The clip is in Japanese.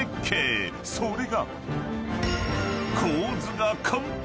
［それが］